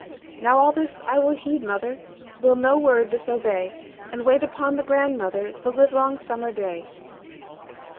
"Now all this I will heed, mother, Will no word disobey, And wait upon the grandmother This livelong summer day."